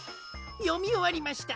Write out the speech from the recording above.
よみおわりました。